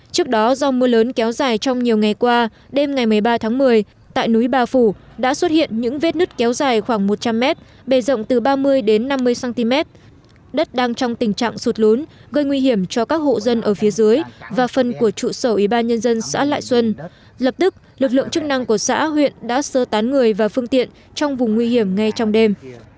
trước đó do mưa lớn kéo dài trong nhiều ngày qua đêm ngày một mươi ba tháng một mươi tại núi ba phủ đã xuất hiện những vết nứt kéo dài khoảng một trăm linh mét bề rộng từ ba mươi đến năm mươi cm đất đang trong tình trạng sụt lốn gây nguy hiểm cho các hộ dân ở phía dưới và phần của trụ sở ủy ban nhân dân xã lại xuân lập tức lực lượng chức năng của xã huyện đã sơ tán người và phương tiện trong vùng nguy hiểm ngay trong đêm